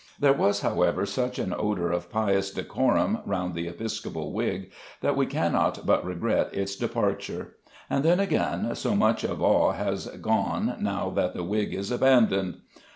There was, however, such an odour of pious decorum round the episcopal wig, that we cannot but regret its departure; and then, again, so much of awe has gone, now that the wig is abandoned!